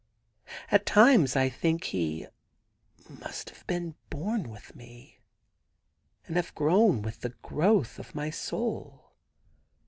At times I think he must have been born with me, and have grown with the growth of my soul.